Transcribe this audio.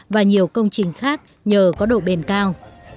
và nhiều công trình khác nhờ có độ bền cao